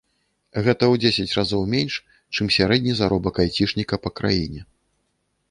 Гэта ў дзесяць разоў менш, чым сярэдні заробак айцішніка па краіне.